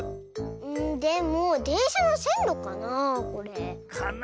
んでもでんしゃのせんろかなこれ？かな。